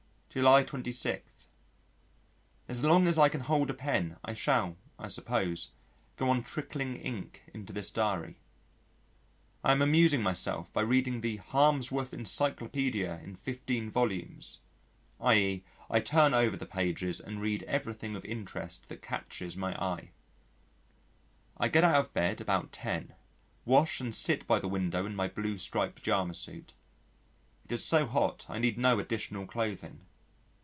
July 26. As long as I can hold a pen, I shall, I suppose, go on trickling ink into this diary! I am amusing myself by reading the Harmsworth Encyclopædia in 15 volumes, i.e., I turn over the pages and read everything of interest that catches my eye. I get out of bed about ten, wash and sit by the window in my blue striped pyjama suit. It is so hot I need no additional clothing.